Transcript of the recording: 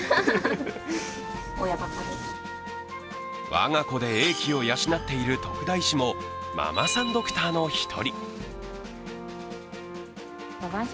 我が子で英気を養っている徳田医師もママさんドクターの１人。